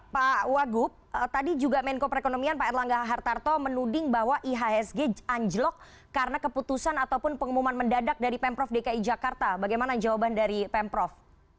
pak wagub tadi juga menko perekonomian pak erlangga hartarto menuding bahwa ihsg anjlok karena keputusan ataupun pengumuman mendadak dari pemprov dki jakarta bagaimana jawaban dari pemprov